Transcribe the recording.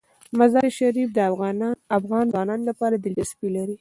مزارشریف د افغان ځوانانو لپاره دلچسپي لري.